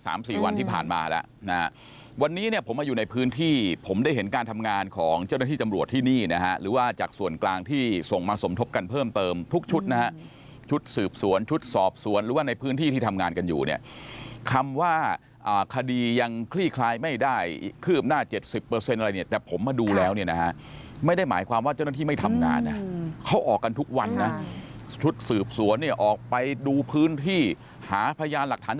สามสี่วันที่ผ่านมาแล้วนะฮะวันนี้เนี่ยผมมาอยู่ในพื้นที่ผมได้เห็นการทำงานของเจ้าหน้าที่จำรวจที่นี่นะฮะหรือว่าจากส่วนกลางที่ส่งมาสมทบกันเพิ่มเติมทุกชุดนะฮะชุดสืบสวนชุดสอบสวนหรือว่าในพื้นที่ที่ทำงานกันอยู่เนี่ยคำว่าอ่าคดียังคลี่คลายไม่ได้ขืบหน้าเจ็ดสิบเปอร์เซ็นต์อะไรเนี่ย